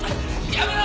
やめろ！